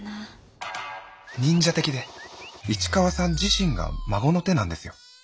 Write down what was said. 「忍者的で市川さん自身が孫の手なんですよ」。